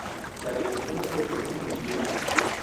La decisión del juez es definitiva.